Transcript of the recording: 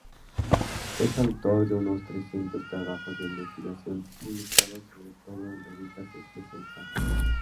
Es autor de unos trescientos trabajos de investigación, publicados sobre todo en revistas especializadas.